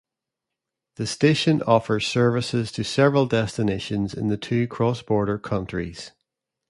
The station offers services to several destinations in the two cross-border countries.